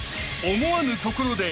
［思わぬところで］